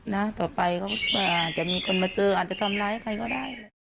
ต่อไปเขาอาจจะมีคนมาเจออาจจะทำร้ายใครก็ได้